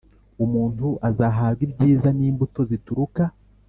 Umuntu azahazwa ibyiza n imbuto zituruka